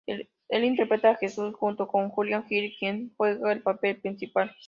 Él interpreta a Jesús junto a Julián Gil, quien juega el papel principal.